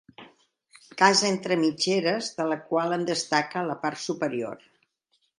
Casa entre mitgeres de la qual en destaca la part superior.